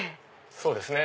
そうですね。